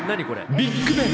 ビッグベン。